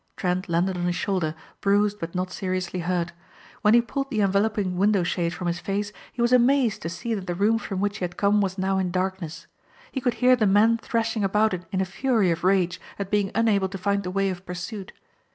Trent landed on his shoulder, bruised but not seriously hurt. When he pulled the enveloping window shade from his face he was amazed to see that the room from which he had come was now in darkness. He could hear the men thrashing about it in a fury of rage at being unable to find the way of pursuit.